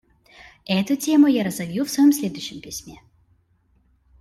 Эту тему я разовью в своем следующем письме.